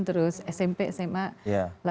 terus smp sma